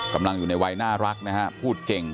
กำลังอยู่ในวัยน่ารักนะฮะพูดเก่ง